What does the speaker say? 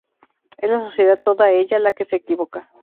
Es la sociedad, toda ella, la que se equivoca